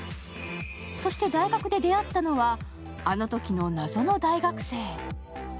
そして、大学で出会ったのは、あのときの謎の大学生。